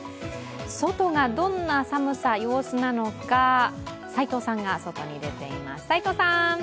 外がどんな寒さ、様子なのか、齋藤さんが外に出ています。